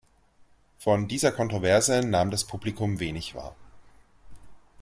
Von dieser Kontroverse nahm das Publikum wenig wahr.